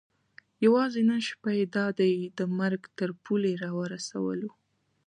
یوازې نن شپه یې دا دی د مرګ تر پولې را ورسولو.